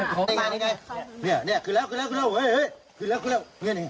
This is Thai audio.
ขึ้นแล้วขึ้นแล้วขึ้นแล้ว